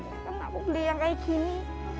kan aku beli yang kayak gini